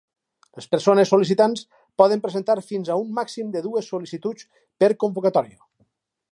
Les persones sol·licitants poden presentar fins a un màxim de dues sol·licituds per convocatòria.